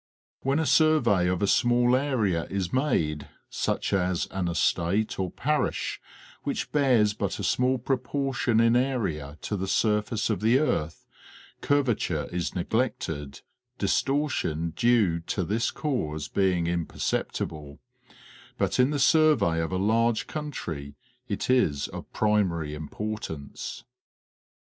When a survey of a small area 1s made, such as an estate or parish, which bears but a small proportion in area to the surface The Ordnance Survey of Great Britain. 255 of the earth, curvature is neglected, distortion due to this cause being imperceptible, but in the survey of a large country it is of primary importance.